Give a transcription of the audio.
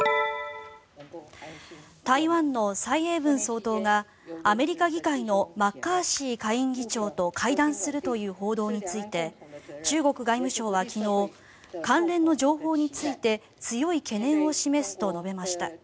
台湾の蔡英文総統がアメリカ議会のマッカーシー下院議長と会談するという報道について中国外務省は昨日関連の情報について強い懸念を示すと述べました。